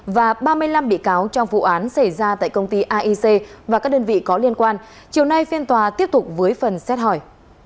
và ba mươi năm bị cáo trong vụ án xảy ra tại công ty aic và các đơn vị có liên quan chiều nay phiên tòa tiếp tục với phần xét hỏi